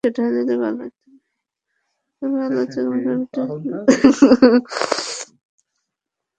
তবে সমালোচকেরা দেশটিতে বিরোধীদের রাজনৈতিক কর্মকাণ্ডের ওপর কঠোর বিধি-নিষেধের বিরুদ্ধে সমালোচনায় সরব।